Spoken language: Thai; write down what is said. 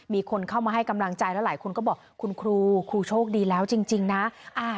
มีคนเข้ามาให้กำลังใจแล้วหลายคนก็บอกคุณครูครูโชคดีแล้วจริงนะ